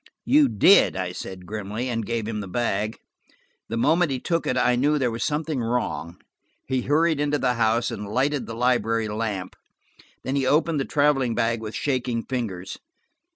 "You did," I said grimly, and gave him the bag. The moment he took it I knew there was something wrong; he hurried into the house and lighted the library lamp. Then he opened the traveling bag with shaking fingers.